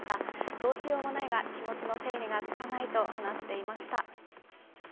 どうしようもないが気持ちの整理がつかないと話していました。